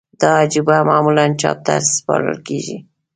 دا هجویه معمولاً چاپ ته سپارل کیږی.